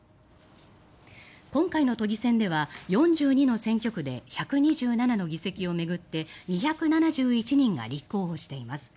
今回の都議選では４２の選挙区で１２７の議席を巡って２７１人が立候補しています。